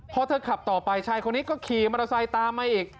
พอเธอขับต่อไปชายคนนี้ก็ขี่มอเตอร์ไซค์ตามมาอีก